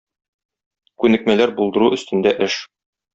Күнекмәләр булдыру өстендә эш.